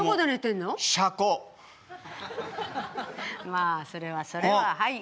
まあそれはそれははい。